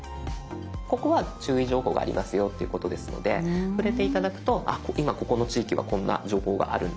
ここは注意情報がありますよっていうことですので触れて頂くとあ今ここの地域はこんな情報があるんだっていうのが見てとれます。